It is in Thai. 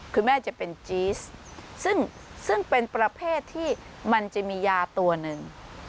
คือแม่จะเป็นจี๊สซึ่งเป็นประเภทที่มันจะมียาตัวหนึ่ง